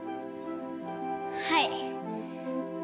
はい。